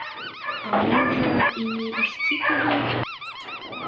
А можа, і не ісці туды.